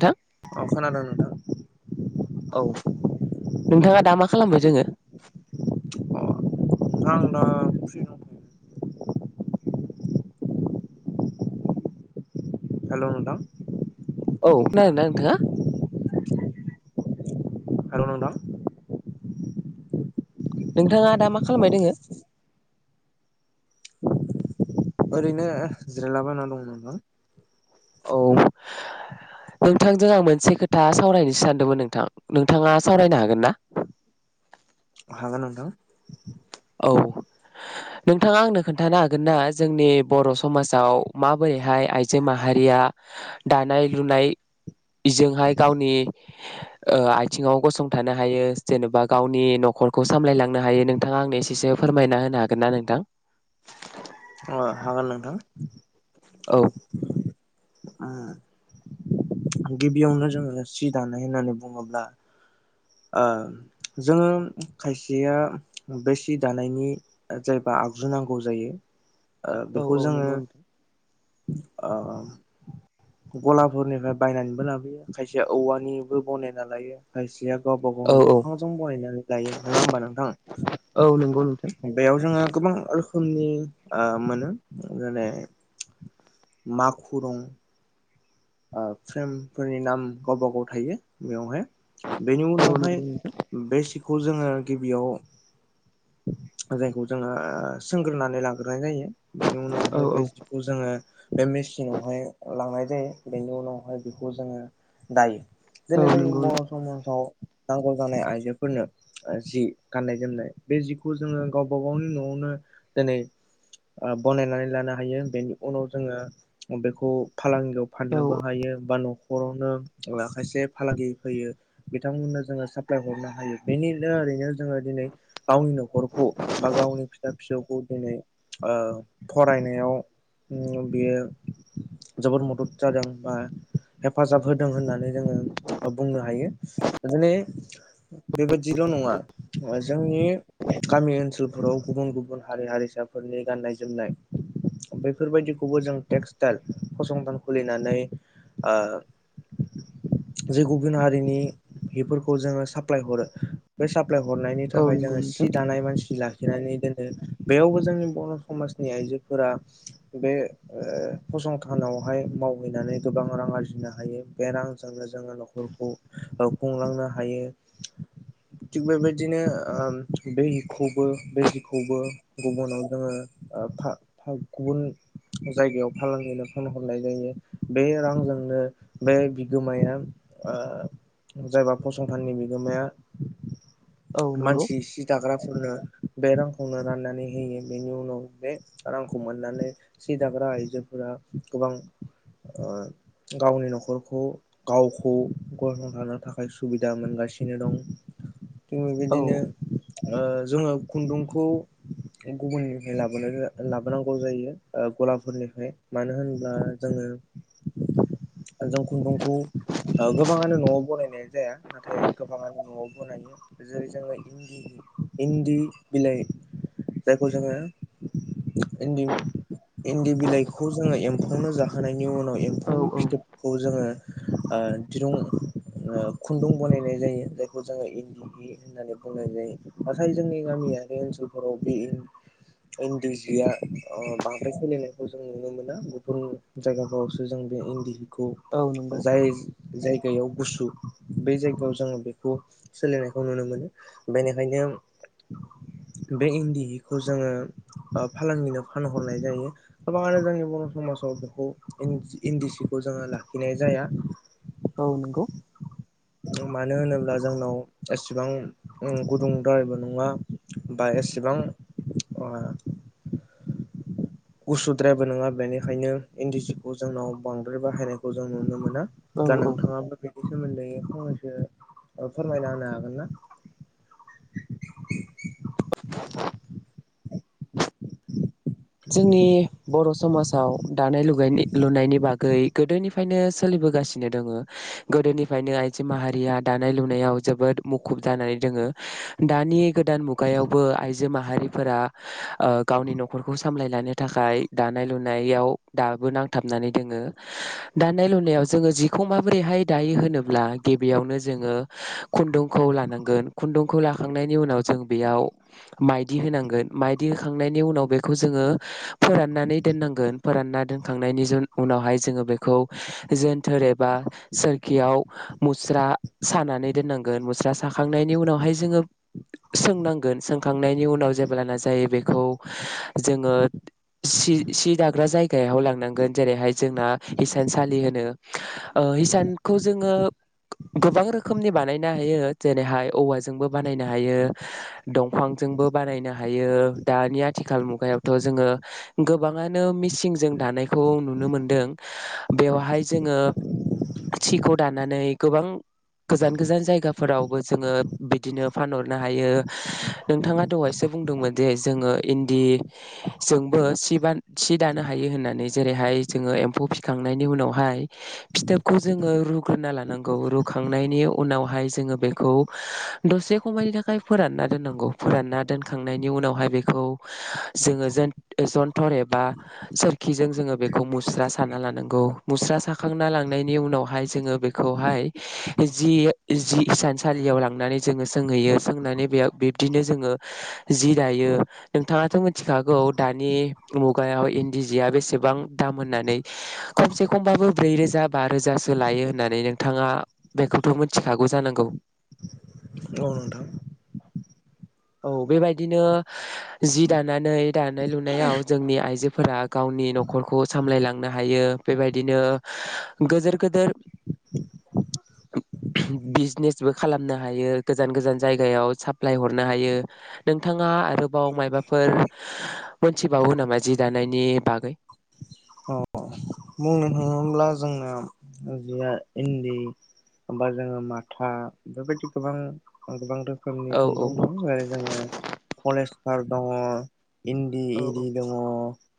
थां अ खोनादों नोंथां । औ नोंथाङा दा मा खालामो जोङो दा आं दा फ्रि दंथयो । हेल' मेडाम औ खोनादोंना नोंथाङा हेल' नोंथां नोंथाङा दा मा खालामबाय दोङो ओरैनो जिरायलाबायना दं नोंथां । औ नोंथांजों आं मोनसे खोथा सावरायनोसो सानदोंमोन नोंथां, नोंथाङा सावरायनो हागोन ना? हागोन नोंथां । औ नोंथाङा आंनो खोनथानो हागोन ना जोंनि बर' समाजाव माबोरैहाय आयजो माहारिया दानाय लुनाय बिजोंहाय गावनि ओ आयथिङाव गसंथानो हायो जेनेबा गावनि न'खरखौ सामलायलांनो हायो नोंथाङा आंनो एस एसे फोरमायना होनो हागोन ना नोंथां? ओ हागोन नोंथां। औ उम गिबियावनो जोङो सि दानाय होन्नानै बुङोब्ला ओ जोङो खायसेया बेसि दानायनि जायबा आगजु नांगौ जायो । ओ औ बेखौ औ जोङो नंगौ नोंथां ओ गलाफोरनिफ्राय बायनानैबो लाबोयो खायसेया औवानिबो बनायना लायो खायसेया गावबा औ गावनो औ दंफांजों बनायनानै गायो नङा होनबा औ नंगौ नोंथां नोंथां बेयाव जोङो गोबां रोखोमनि ओ मोनो जेरै माखु दं ओ फ्रेमफोरनि नाम गावबागाव थायो बेवहाय बेनि औ उनावहाय नंगौ नोंथां बेसिख बे खौ जोङो गिबियाव जायखौ जोङो सोंग्रोनानै लाग्रोनाय जायो। बेनि उनाव औ बे सिखौ जोङो बे मेसिनावहाय लांनाय जायो बेनि उनावहाय बेखौ जोङो दायो औ [inaudible] नंगौ बर' समासाव नांगौ जानाय आयजोफोरनो जि गाननाय जोमनाय बे जिखौ जोङो गावबा गावनि न'आवनो दिनै बनायनानै लानो हायो बेनि उनाव जोङो बेखौ फालांगियाव औ फाननोबो हायो बा न' न'खरावनो खायसे फालांगि फैयो बिथांमोननो जोङो साप्लाय हरनो हायो बेनिनो ओरैनो जोङो दिनै गावनि न'खरखौ बा गावनि फिसा फिसौ । खौ दिनै ओ फरायनायाव बियो जोबोद मदद जादों बा हेफाजाब होदों होननानै जोङो बुंनो हायो । दिनै बेबादिल' नङा जोंनि गामि ओनसोलफोराव गुबुन गुबुन हारि हारिसाफोरनि गान्नाय जोमनाय बेैफोरबायदिखौबो जों टेक्सटाइल फसंथान खुलिनानै ओ जि गुबुन हारिनि हिफोरखौ जोङो साप्लाय हरो बे प्लाय हरनायनि औ थाखाय नंगौ जोङो नोंथां सि दालाय मानसि लाखिनानै दोनो बेयावबो जोंनि बर' समाजनि आइजोफोरा बे ओ फसंथानावहाय मावहैनानै गोबां रां आरजिनो हायो बे रांजोंनो जोङो न'खरखौ औ खुंलांनो हायो थिग बेबायदिनो ओ बै हिखौबो बै जिखौबो गुबुनाव जोङो ओ फा फा गुबुन जायगायाव फालांगिनो फनहरनाय जायो बे रांजोंनो बे बिगोमाया ओ जायबा फसंथाननि बिगोमाया औ नंगौ मानसि सि फोरनो बे रांखौनो राननानै होयो बेनि उनाव बे रांखौ मोननानै सि दाग्रा आइजोफोरा गोबां ओ गावनि न'खरखौ गावखौ गसंथानो थाखाय सुबिदा मोनगासिनो दं उम औ बिदिनो ओ जोङो खुन्दुंखौ गुबुननिफ्राय लाबोनाय जा लाबोनांगौ जायो ओ गलाफोरनिफ्राय मानो होनब्ला जोङो जों खुन्दुंखौ गोबाङानो न'आव बनायनाय जाया नाथाय गोबाङानो न'आव बनायो जेरै जोङो इन्दि हि इन्दि बिलाइ जायखौ जोङो इन्दि इन्दि बिलाइखौ जोङो एम्फौनो जाहोनायनि उनाव एम औ फौनि औ फिथोबखौ जोङो ओ दिरुं ओ खुन्दुं बनायनाय जायो जायखौ जोङो इन्दि हि होननानै बुंनाय जायो नाथाय जोंनि गामियारि ओनसोलफोराव बेयो इन्दि जिया ओ बांद्राय सोलिनायखौ जों नुनो मोना गुबुन जायगाफोरावसो जों बे इन्दि हि खौ औ नंगौ जाय जाय याव गुसु बेै जायगायाव जोङो बेखौ सोलिनायखौ नुनो मोनो बेनि खायनो बे इन्दि हिखौ जोङो फालांगिनो फानहरनाय जायो गोबाङानो जोंनि बर' समाजाव बेखौ इन्दि इन्दि सिखौ जोङो लाखिनाय जाया। औ नंगौ मानो होनोब्ला जोंनाव एसेबां उम गुदुंद्रायबो नङा बा एसेबां अ गुसुद्रायबो नङा बेनिखायनो इन्दि सिखौ जोंनाव बांद्राय बाहायनायखौ जों नुनो मोना औ दा औ नोंथाङाबो बे बेनि सोमोन्दै फंनैसो ओ फोरमायना होनो हागोन ना जोंनि बर' समाज औ दानाय लुगायनि लुनायनि बागै गोदोनिफ्रायनो सोलिबोगासिनो दोङो गोदोनिफ्रायनो आइजो माहारिया दानाय लुनायाव जोबोद मुखुब जानानै दोङो दानि गोदान मुगायावबो आइजो माहारिफोरा ओ गावनि न'खर खौ सामलायलानो थाखाय दानाय लुनायाव दाबो नांथाबनानै दोङो दानाय लुनायाव जोङो जिखौ माबोरैहाय दायो होनोब्ला गिबियावनो जोङो खुन्दुंखौ लानांगोन खुन्दुंखौ लाखांनायनि उनाव जों बेयाव माइदि होनांगोन माइदि होखांनायनि उनाव बेख खौ जोङो फोराननानै दोननांगोन फोरानना दोनखांनायनि जोन उनावहाय जोङो बे खौ जोनथोर एबा सोरखियाव मुस्रा सानानै दोननां गोन मुस्रा साखांनायनि उनावहाय जोङो सोंनांगोन सोंखांनायनि उनाव जेब्लाना जायो बेखौ जोङो सि सि दाग्रा जाय गायाव लांनांगोन जेरैहाय जोंना हिसानसालि होनो ओ हिसानखौ जोङो गोबां रोखोमनि बानायनो हायो जेरैहाय औवाजोंबो बानायनो हायो दंफांजोंबो बानायनो हायो दानि आथिखाल मु गायावथ' जोङो गोबाङानो मिसिंजों दानायखौ नुनो मोनदों बेवहाय जोङो सिखौ दानानै गोबां गोजान गोजान जायगाफोरावबो जोङो बिदिनो फानहरनो हायो नोंथाङा दहायसो बुंदोंमोन जे जोङो इन्दि जोंबो सि बा सि दानो हायो होननानै जेरैहाय जोङो एम्फौ फिखांनायनि उनावहाय फिथोबखौ जोङो रुग्रोना लानांगौ रुखांनायनि उनावहाय जोङो बेखौ दसे खमायनि थाखाय फोरानना दोननांगौ फोरानना दोनखांनायनि उनावहाय बेखौ जोङो जोन जन्थर एबा सोरखिजों जोङो बेखौ मुस्रा साना लानांगौ मुस्रा साखांना लांनायनि उनावहाय जोङो बेखौहाय जि जि हिसानसालियाव लांनानै जोङो सोंहैयो सोंनानै बेयाव बिब्दिनो जोङो जि दायो नोंथाङाथ' मो मिथिखागौ दानि मुगायाव इन्दि जिया बेसेबां दाम होननानै खमसे खमबाबो ब्रै रोजा बा रोजासो लायो होननानै नोंथाङा बेखौथ मिनथिखागौ जानांगौ औनोंथां औ बेबायदिनो जि दानो नानै दानाय लुनायाव जोंनि आइजो फोरा गावनि नखरखौ सामलायलांनो हायो बेबायदिनो गोदोर गोदोर बिजिनेसबो खालामनो हायो गोजान गोजान जायगायाव साप्लाय हरनो हायो नोंथाङा आरोबाव मायबा फोर मोनथिबावो नामा जि दानायनि बागै। अ बुंनो थाङोब्ला जोंना जिया इन्दि बा जोङो माथा बेबायदि गोबां गोबांथार फोरनि औ औ खुन्दुं दं जेरै- जोङो फलेज फोर दङ। इन्दि औ औ इरि दङ।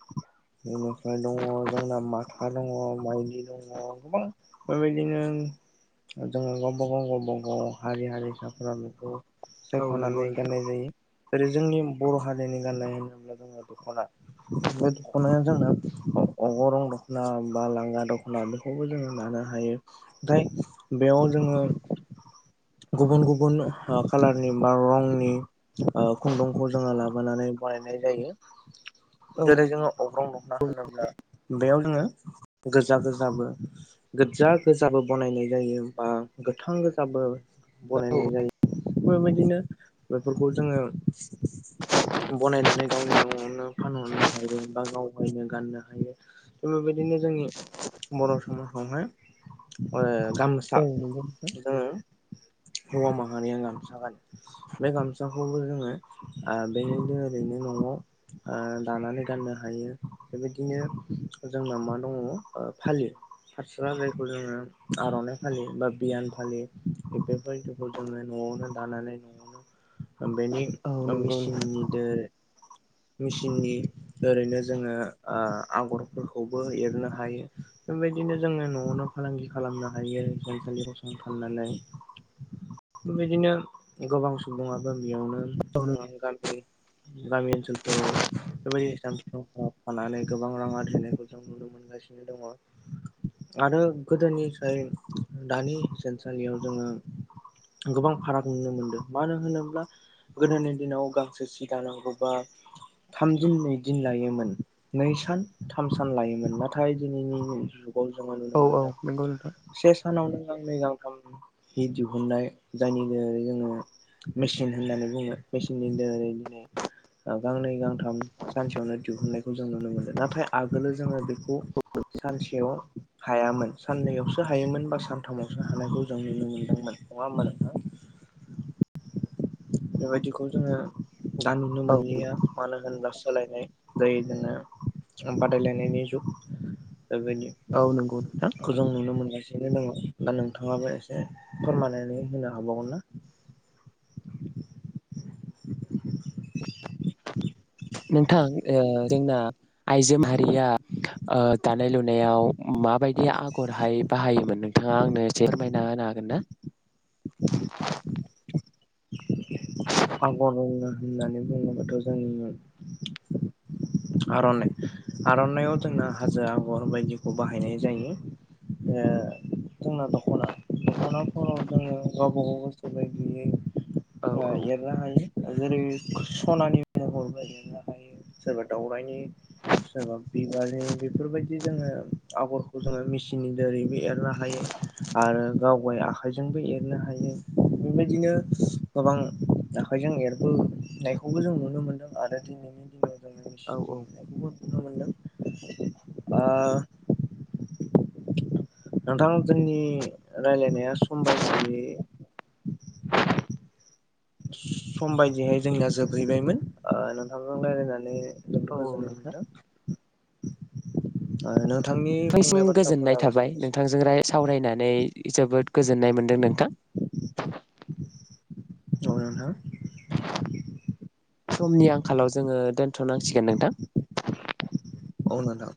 [unintelligible] दङ जोंना माथा दङ माइदि दङ गोबां बेबायदिनो जोङो गावबा गाव गावबा गाव हारि हारिसाफोरा बेखौ औ नंगौ सायखनानै नोंथां। गाननाय जायो जेरै जोंनि बर' हारिनि गाननाय होनोब्ला जोङो दख'ना बे दख'नाया जोंना अगरं दखना बा लांगा दखना बेखौबो जोङो लानो हायो नथाय बेयाव जोंङो गुबुन गुबुन खालारनि बा रंनि [inaudible] ओ खुन्दुंखौ जोङो ला नानै बानायनाय जायो औ जेरै जोङो अब्रं मा होनोब्ला बेयाव जोङो गोजा गोजाबो गोजा गोजाबो बनायनाय जायो बा गोथां गोजाबो बनायनाय जायो। बेफोरबायदिनो बेफोरखौ जोंङो बनायनानै गावनि न'आवनो फानहरनो हायो बा गाव नो गाननो हायो बिदिनो जोंनि बर' समाव [unintelligible] गामसा औ नंगौ नोंथां जोंङो हौवा माहारिया गामसा गानो। बे गामसाखौबो जोङो ओ बेदिनो ओरैनो न'आव ओ दानानै गाननो हायो। बेबायदिनो जोंनाव मा दङ ओ फालि फारस्रा जायखौ जोंङो आरनाइ फालियो बा बियान फालि बेफोरबायदिखौ जोंङो नआवनो दानानै नआवनो ओ बेनि औ नंगौ मेचिननि [unintelligible] मेचिननि ओरैनो जोङो ओ आगरफोरखौबो एरनो हायो। बेबायदिनो जोङो न'आवनो फालांगि खालामनो हायो। हिसानसालि फसंथाननानै बेबायदिनो गोबां सुबुङा गामियावनो नोंथां ओ गामि ग्रामि ओनसोलफोराव बेबायदि औ ओ फानानै गोबां रां आरिनायखौ जों नुनो मोनगासिनो दङ। आरो गोदोनिफ्राय दानि हिनसालियाव जोङो गोबां फाराग नुनो मोनदों। मानो होनोब्ला गोदोनि दिनाव गांसे सि दानांगौ बा थामदिन नैदि दिन लायोमोन नै सान थाम सान लायोमोन। नाथाय दिनैनि औ जोंङो नुनो औ नों औ औ मोनदों नंगौ नोंथां। से सानावनो गांनै गांथाम हि दिहुननाय जायनि जोहै जोंङो मेसिन होननानै बुङो मेसिननि दारोयै दिनै गांनै गांथाम सानसेयावनो दिहुननायखौ जों नुनोमोनो। नाथाय आगोलो जोंङो बेखौ सानसेयाव हायामोन साननैयावसो हायोमोन। बा सानथामावसो हानायखौ जों नुनो मोनदोंमोन। नङा होमबा नोंथां? बेबायदिखौ जोङो दा नुनो औ मोनलिया मानो होनब्ला सोलायनाय दैहोनो बादायलायनायनि जुग औ नंगौ नोंथां बेबायदिखौ जों नुनो मोनगासि [unintelligible] नो दङ दा नोंथाङाबो एसे फोरमायनानै होनो हाबावगोन ना? नोंथां जोंना आइजो माहारिया दानाय लुनायाव माबायदि आगरहाय बाहायोमोन नोंथाङा आंनो एसे फोरमायना होनो हागोन ना? आगर होननानै बुङोबाथ' जोंनि आर'नाइ आर'नाइआव जोंना हाजो आगर बायदिखौ बाहायनाय जायो जोंना दख'ना दख'नाफोराव जोङो गावबा गाव गोसो बायदियै औ ओ औ एरनो जेरै सनानि महरबो एरनो हायो सोरबा दाउरायनि सोरबा बिबारनि बेफोरबायदि जोङो आगरखौ जोङो मेचिननि दारैबो एरनो हायो आरो गावगाय आखाइजोंबो एरनो हायो बेबायदिनो गोबां आखाइजों एरबोनायखौबो जों नुनो मोन्दों आरो दिनैनि दिनाव [unintelligible] औ नुनो मोनदों बा नोंथां जोंनि रायलायनाया सम बायदियै सम बायदियै जोंनिया जोबहैबायमोन ओ नोंथांजों रायलायनानै औ जोबोद औ गोजोन नोंथां। [unintelligible] मानोना नसिम गोजोननाय थाबाय नोंथांजों सैथो सावरायनानै जोबोद गोजोननाय मोनदों नोंथां औ नोंथां समनि आंखालाव जोङो दोनथ' नांसिगोन नोंथां । औ नोंथां।